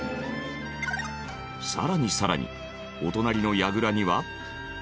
更に更にお隣の櫓には。